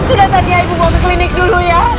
sudah tadinya ibu bawa ke klinik dulu ya